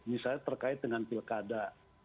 misalnya terkait dengan pilkada